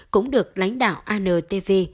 cũng được lãnh đạo antv